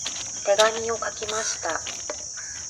手紙を書きました。